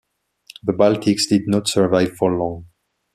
The Baltics did not survive for long.